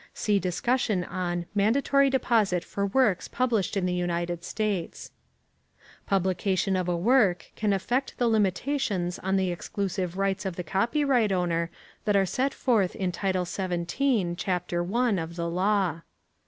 See discussion on "Mandatory Deposit for Works Published in the United States." + Publication of a work can affect the limitations on the exclusive rights of the copyright owner that are set forth in Title 17, Chap 1 of the law.